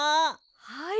はい。